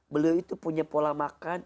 beliau itu punya pola makan